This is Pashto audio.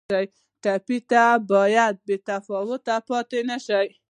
ټپي ته باید بې تفاوته پاتې نه شو.